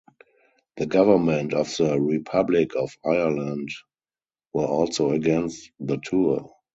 The Government of the Republic of Ireland were also against the tour.